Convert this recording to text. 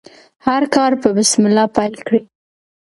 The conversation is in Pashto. هر کار په بسم الله پیل کړئ.